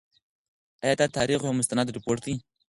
آیا دا د تاریخ یو مستند رپوټ دی؟